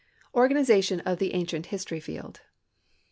Organization of the Ancient History Field.